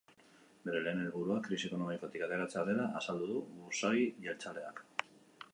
Bere lehen helburua krisi ekonomikotik ateratzea dela azaldu du burzagi jeltzaleak.